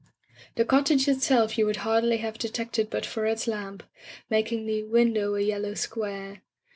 The cottage itself you would hardly have detected but for its lamp — ^making the window a yel low square.